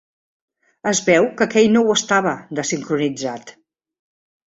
Es veu que aquell no ho estava, de sincronitzat.